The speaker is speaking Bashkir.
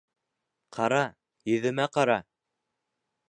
Ҡара, йөҙөмә ҡара.